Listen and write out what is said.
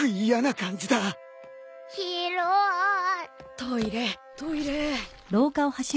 トイレトイレ！